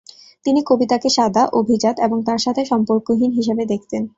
তিনি কবিতাকে সাদা, অভিজাত এবং তার সাথে সম্পর্কহীন হিসাবে দেখতেন।